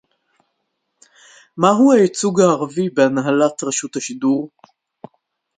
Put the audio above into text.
מה הוא הייצוג הערבי בהנהלת רשות השידור